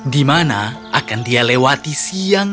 dimana dia akan lewati siang